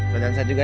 gue dansa juga